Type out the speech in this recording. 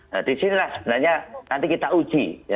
nah disinilah sebenarnya nanti kita uji